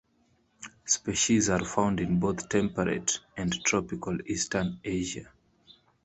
Species are found in both temperate and tropical eastern Asia.